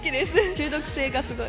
中毒性がすごい。